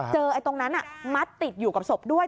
ตรงนั้นมัดติดอยู่กับศพด้วย